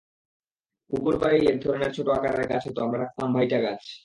পুকুর পাড়েই একধরনের ছোট আকারের গাছ হতো আমরা ডাকতাম ভাইটা গাছ।